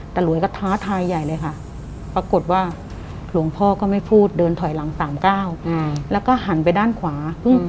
หลวยก็ท้าทายใหญ่เลยค่ะปรากฏว่าหลวงพ่อก็ไม่พูดเดินถอยหลัง๓ก้าวแล้วก็หันไปด้านขวา